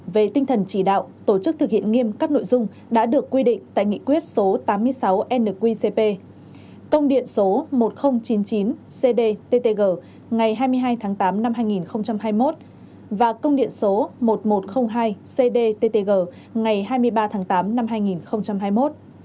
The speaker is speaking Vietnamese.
về tinh thần chỉ đạo tổ chức thực hiện nghiêm các nội dung đã được quy định tại nghị quyết số tám mươi sáu nqcp công điện số một nghìn chín mươi chín cdttg ngày hai mươi hai tháng tám năm hai nghìn hai mươi một và công điện số một nghìn một trăm linh hai cdttg ngày hai mươi ba tháng tám năm hai nghìn hai mươi một